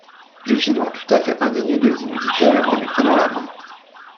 Je suis donc tout à fait indigne de vous, dit-elle en lui prenant la main.